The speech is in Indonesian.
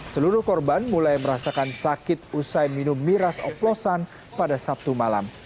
seluruh korban mulai merasakan sakit usai minum miras oplosan pada sabtu malam